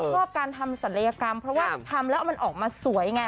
ชอบการทำศัลยกรรมเพราะว่าทำแล้วมันออกมาสวยไง